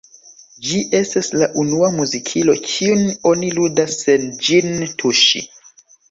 Ĝi estas la unua muzikilo, kiun oni ludas sen ĝin tuŝi.